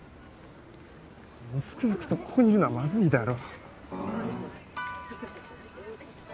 少なくともここにいるのはまずいだろ。